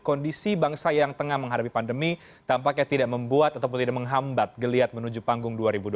kondisi bangsa yang tengah menghadapi pandemi tampaknya tidak membuat ataupun tidak menghambat geliat menuju panggung dua ribu dua puluh